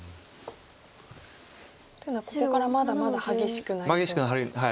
というのはここからまだまだ激しくなりそうですか。